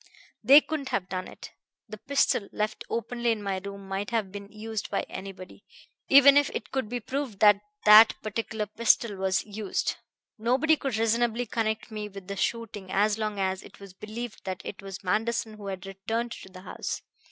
They couldn't have done it. The pistol, left openly in my room, might have been used by anybody, even if it could be proved that that particular pistol was used. Nobody could reasonably connect me with the shooting so long as it was believed that it was Manderson who had returned to the house.